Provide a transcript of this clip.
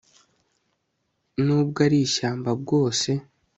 n'ubwo ari ishyamba bwose